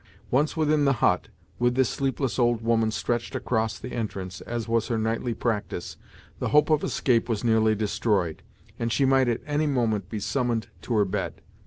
Once within the hut, with this sleepless old woman stretched across the entrance, as was her nightly practice, the hope of escape was nearly destroyed, and she might at any moment be summoned to her bed.